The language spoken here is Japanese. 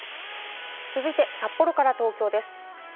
続いて札幌から東京です。